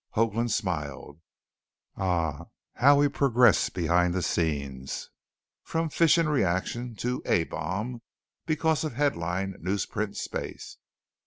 Hoagland smiled. "Ah, how we progress behind the scenes; from 'Fission reaction' to 'A Bomb' because of headline newsprint space.